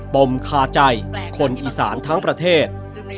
มคาใจคนอีสานทั้งประเทศ